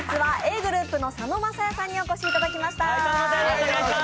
ｇｒｏｕｐの佐野晶哉さんにお越しいただきました。